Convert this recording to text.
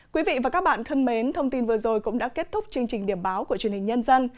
quý vị và các bạn thân mến thông tin vừa rồi cũng đã kết thúc chương trình điểm báo của truyền hình nhân dân